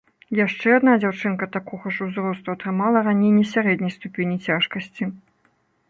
Яшчэ адна дзяўчынка такога ж узросту атрымала раненне сярэдняй ступені цяжкасці.